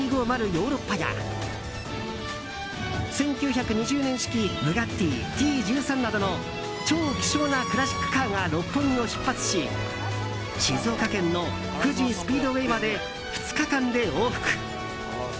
ヨーロッパや１９２０年式ブガッティＴ１３などの超希少なクラシックカーが六本木を出発し静岡県の富士スピードウェイまで２日間で往復。